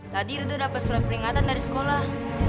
tadi ridho dapet surat peringatan dari sekolah